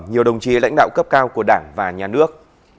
nhiều đồng chí lãnh đạo cấp cao của đảng và nhà nước